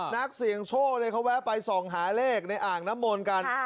นักเสี่ยงโชคเขาแวะไปส่องหาเลขในอ่างน้ำมนต์กัน